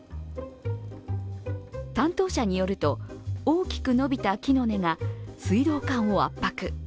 担当者によると、大きく伸びた木の根が水道管を圧迫